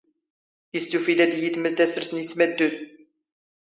ⵉⵙ ⵜⵓⴼⵉⵜ ⴰⴷ ⵉⵢⵉ ⵜⵎⵍⴷ ⴰⵙⵔⵙ ⵏ ⵉ ⵉⵏⵙⵎⴰⴷⴷⵓⵜⵏ.